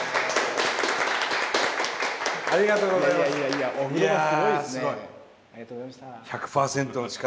ありがとうございます。